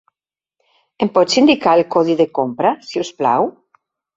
Em pots indicar el codi de compra, si us plau?